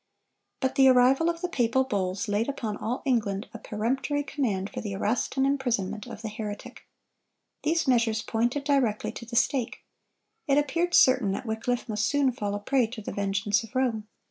But the arrival of the papal bulls laid upon all England a peremptory command for the arrest and imprisonment of the heretic. These measures pointed directly to the stake. It appeared certain that Wycliffe must soon fall a prey to the vengeance of Rome.